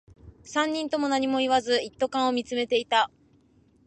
三人とも何も言わず、一斗缶を見つめていた